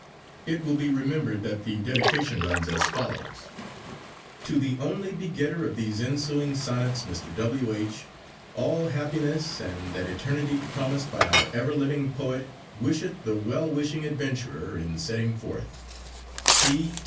It will be remembered that the dedication runs as follows:— TO THE ONLIE BEGETTER OF THESE INSUING SONNETS MR. W. H. ALL HAPPINESSE AND THAT ETERNITIE PROMISED BY OUR EVER LIVING POET WISHETH THE WELL WISHING ADVENTURER IN SETTING FORTH.